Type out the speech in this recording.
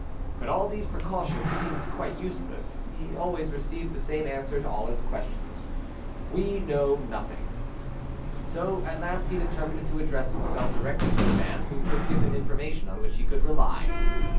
But all these precautions seemed quite useless: he always received the same answer to all his questions, "We know nothing." So at last he determined to address himself directly to the man who could give him information on which he could rely.